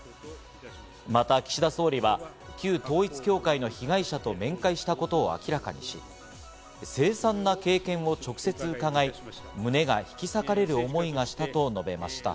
また岸田総理は旧統一教会の被害者と面会したことを明らかにし、せい惨な経験を直接うかがい、胸が引き裂かれる思いがしたと述べました。